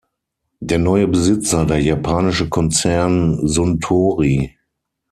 Der neue Besitzer, der japanische Konzern Suntory.